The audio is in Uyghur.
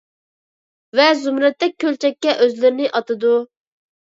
ۋە زۇمرەتتەك كۆلچەككە ئۆزلىرىنى ئاتىدۇ.